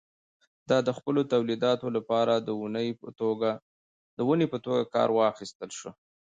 دا د خپلو تولیداتو لپاره د ونې په توګه کار واخیستل شول.